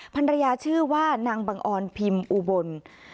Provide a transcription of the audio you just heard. ภรรยาชื่อว่านางบังออนพิมพ์อุบล